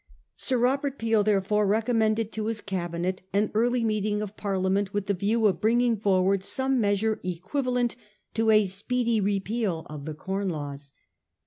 Sir Robert Peel therefore recom mended to his Cabinet an early meeting of Parliament with the view of bringing forward some measure equivalent to a speedy Repeal of the Corn Laws.